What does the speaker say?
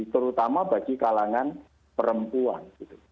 terutama bagi kalangan perempuan